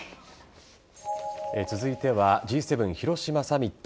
続いては、Ｇ７広島サミット。